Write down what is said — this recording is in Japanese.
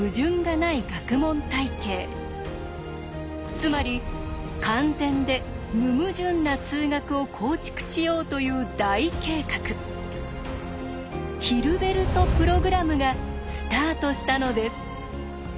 つまり完全で無矛盾な数学を構築しようという大計画ヒルベルト・プログラムがスタートしたのです。